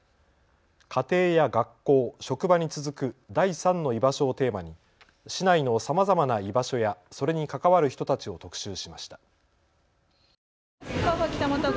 家庭や学校、職場に続く第３の居場所をテーマに市内のさまざまな居場所やそれに関わる人たちを特集しました。